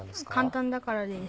簡単だからです。